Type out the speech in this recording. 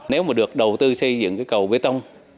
nếu mà được đầu tư xây dựng cái cầu bê tông